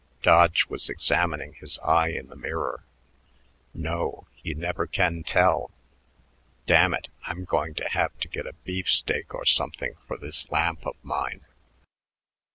Dodge was examining his eye in the mirror. "No, you never can tell.... Damn it, I'm going to have to get a beefsteak or something for this lamp of mine."